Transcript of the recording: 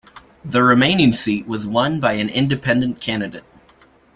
The remaining seat was won by an independent candidate.